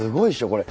これ。